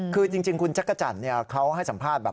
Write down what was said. คือจริงคุณจักรจันทร์เขาให้สัมภาษณ์แบบ